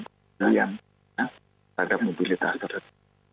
kegiatan pada mobilitas tersebut